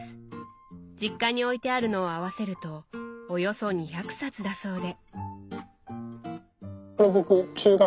実家に置いてあるのを合わせるとおよそ２００冊だそうで。